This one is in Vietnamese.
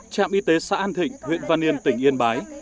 trạm y tế xã an thịnh huyện văn yên tỉnh yên bái